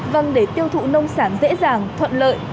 vâng để tiêu thụ nông sản dễ dàng thuận lợi